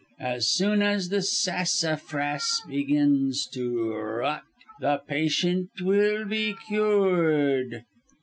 As soon as the sassafras begins to rot, the patient will be cured.